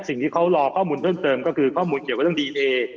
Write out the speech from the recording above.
ตอนนี้เขารอข้อมูลก็คือดีไอ